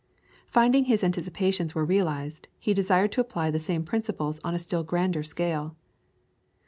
Finding his anticipations were realised, he desired to apply the same principles on a still grander scale.